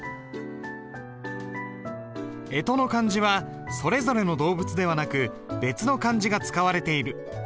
えとの漢字はそれぞれの動物ではなく別の漢字が使われている。